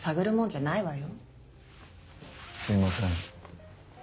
すいません。